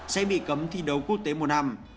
sẽ bị cấm thi đấu quốc tế một năm